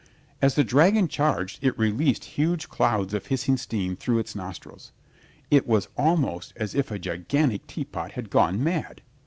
As the dragon charged it released huge clouds of hissing steam through its nostrils. It was almost as if a gigantic teapot had gone mad.